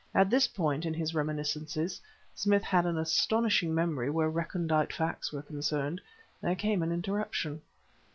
At this point in his reminiscences (Smith had an astonishing memory where recondite facts were concerned) there came an interruption.